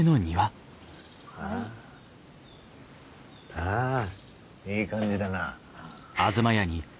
ああいい感じだな。